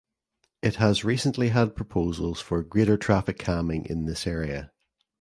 It has recently had proposals for greater traffic calming in this area.